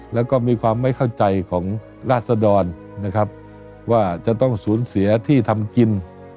แล้วก็มีความไม่เข้าใจของราศดรนะครับว่าจะต้องสูญเสียที่ทำกิน